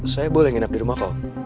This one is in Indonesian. saya boleh nginep di rumah kau